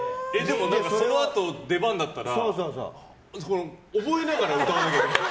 そのあと、出番だったら覚えながら歌わなきゃいけない。